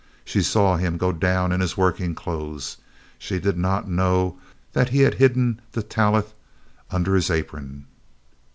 She saw him go down in his working clothes; she did not know that he had hidden the tallith under his apron.